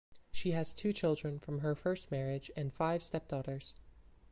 She has two children from her first marriage and five stepdaughters.